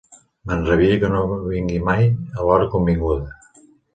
M'enrabia que no vingui mai a l'hora convinguda.